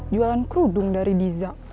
jualan kerudung dari diza